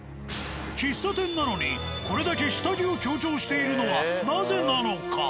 喫茶店なのにこれだけ下着を強調しているのはなぜなのか？